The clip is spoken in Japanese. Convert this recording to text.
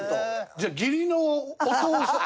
じゃあ義理のお父さん。